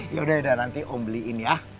yaudah nanti om beliin ya